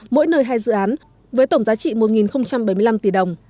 mỗi nơi hai dự án với tổng giá trị một bảy mươi năm tỷ đồng